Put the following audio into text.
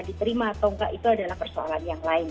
diterima atau enggak itu adalah persoalan yang lain